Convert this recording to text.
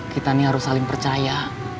kita ini harus saling percaya